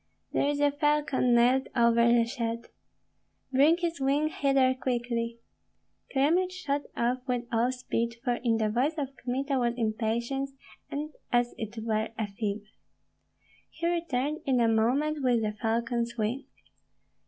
"There is a falcon nailed over the shed." "Bring his wing hither quickly!" Kyemlich shot off with all speed, for in the voice of Kmita was impatience, and as it were a fever. He returned in a moment with the falcon's wing.